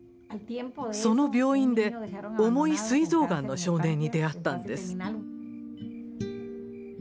その病院で重いすい臓がんの少年に出会ったんです。